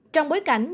trong bối cảnh nhiều